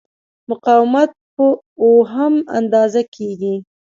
مقاومت په اوهم اندازه کېږي.